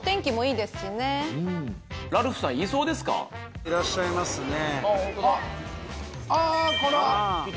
いらっしゃいますね。